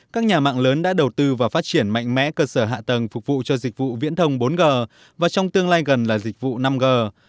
các nhà mạng lớn đã đầu tư và phát triển mạnh mẽ cơ sở hạ tầng phục vụ cho dịch vụ viễn thông bốn g và trong tương lai gần là dịch vụ năm g